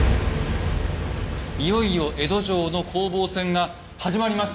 いよいよ江戸城の攻防戦が始まります！